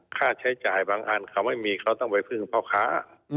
ค่าใช้จ่ายบางอันเขาไม่มีเขาต้องไปพึ่งพ่อค้า